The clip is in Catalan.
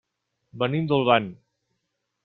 Venim d'Olvan.